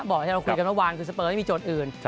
บอกที่เราคุยกันเมื่อวานคือสเปอร์ไม่มีโจทย์อื่น